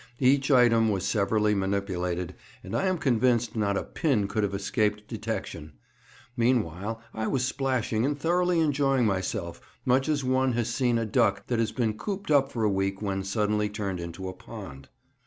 Each item was severally manipulated, and I am convinced not a pin could have escaped detection. Meanwhile I was splashing and thoroughly enjoying myself, much as one has seen a duck that has been cooped up for a week when suddenly turned into a pond.